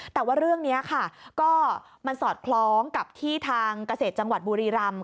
แต่ว่าเรื่องนี้ค่ะก็มันสอดคล้องกับที่ทางเกษตรจังหวัดบุรีรำ